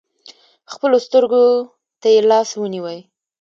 خپلو سترکو تې لاس ونیوئ .